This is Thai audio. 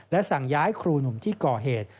และสั่งย้ายครูหนุ่มที่ก่อเหตุ